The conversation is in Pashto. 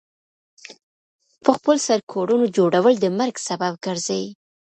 پخپل سر کورونو جوړول د مرګ سبب ګرځي.